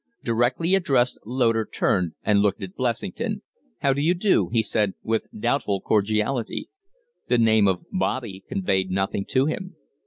Directly addressed, Loder turned and looked at Blessington. "How d'you do?" he said, with doubtful cordiality. The name of Bobby conveyed nothing to him.